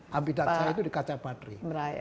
habitat saya itu di kacabatri